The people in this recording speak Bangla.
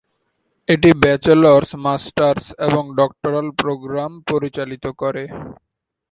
এটি ব্যাচেলর্স, মাস্টার্স এবং ডক্টরাল প্রোগ্রাম পরিচালিত করে।